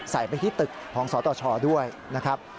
ไปที่ตึกของสตชด้วยนะครับ